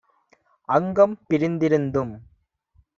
அங்கம் பிரிந்திருந்தும்